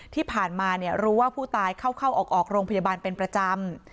ที่ผ่านมารู้ว่าผู้ตายเข้าออกโรงพยาบาลเป็นประจำ